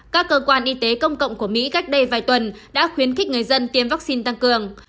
các cơ quan y tế công cộng của mỹ cách đây vài tuần đã khuyến khích người dân tiêm vaccine tăng cường